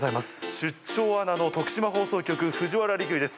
出張アナの徳島放送局藤原陸遊です。